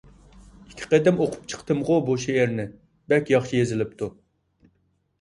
ئىككى قېتىم ئوقۇپ چىقتىمغۇ بۇ شېئىرنى، بەك ياخشى يېزىلىپتۇ.